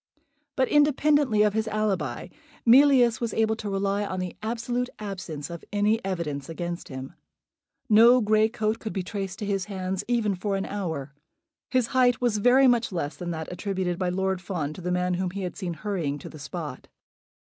But, independently of his alibi, Mealyus was able to rely on the absolute absence of any evidence against him. No grey coat could be traced to his hands, even for an hour. His height was very much less than that attributed by Lord Fawn to the man whom he had seen hurrying to the spot.